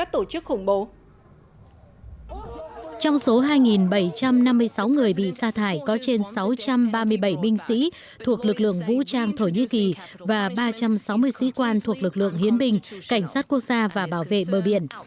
trong số hai bảy trăm năm mươi sáu người bị sa thải có trên sáu trăm ba mươi bảy binh sĩ thuộc lực lượng vũ trang thổ nhĩ kỳ và ba trăm sáu mươi sĩ quan thuộc lực lượng hiến binh cảnh sát quốc gia và bảo vệ bờ biển